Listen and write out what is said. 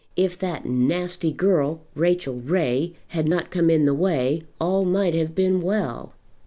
If that nasty girl, Rachel Ray, had not come in the way all might have been well.